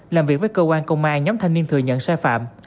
làm việc với cơ quan công an nhóm thanh niên thừa nhận sai phạm